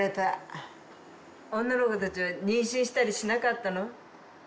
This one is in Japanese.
女の子たちは妊娠したりしなかったの？